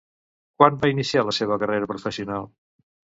Quan va iniciar la seva carrera professional?